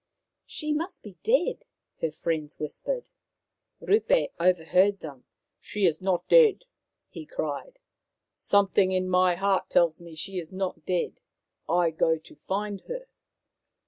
" She must be dead," her friends whispered. Rup6 overheard them. " She is not dead !" 59 60 Maoriland Fairy Tales he cried. " Something in my heart tells me she is not dead. I go to find her."